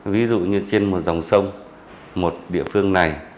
ví dụ như trên một dòng sông một địa phương này